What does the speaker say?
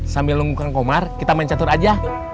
sambil lo nunggu kang komar kita main catur aja